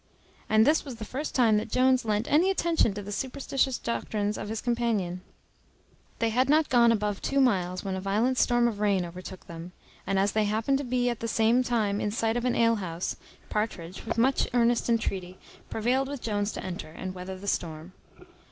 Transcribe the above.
And this was the first time that Jones lent any attention to the superstitious doctrines of his companion. They had not gone above two miles when a violent storm of rain overtook them; and, as they happened to be at the same time in sight of an ale house, Partridge, with much earnest entreaty, prevailed with Jones to enter, and weather the storm.